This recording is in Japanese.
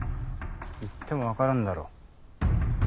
言っても分からんだろう。